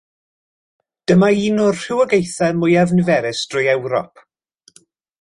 Dyma un o'r rhywogaethau mwyaf niferus drwy Ewrop.